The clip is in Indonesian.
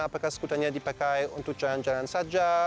apakah skuternya dipakai untuk jalan jalan saja